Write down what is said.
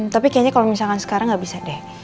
tapi kayaknya kalau misalkan sekarang nggak bisa deh